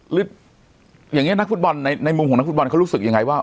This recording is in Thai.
หรืออย่างนี้นักฟุตบอลในมุมของนักฟุตบอลเขารู้สึกยังไงว่า